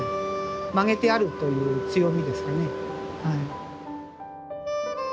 曲げてあるという強みですかね。